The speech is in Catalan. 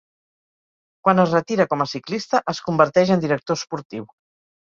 Quan es retira com a ciclista es converteix en director esportiu.